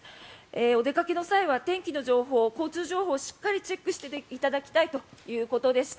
お出かけの際は天気の情報、交通情報をしっかりチェックしていただきたいということでした。